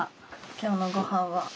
今日のごはんは。